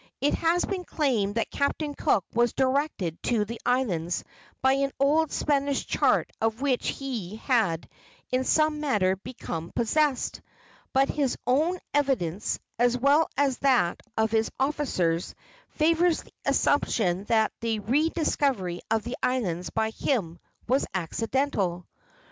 It has been claimed that Captain Cook was directed to the islands by an old Spanish chart of which he had in some manner become possessed; but his own evidence, as well as that of his officers, favors the assumption that the rediscovery of the islands by him was accidental.